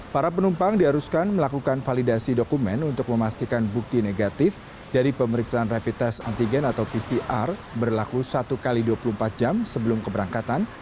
para penumpang diharuskan melakukan validasi dokumen untuk memastikan bukti negatif dari pemeriksaan rapid test antigen atau pcr berlaku satu x dua puluh empat jam sebelum keberangkatan